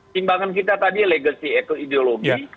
simbangan kita tadi legacy ekologi ideologi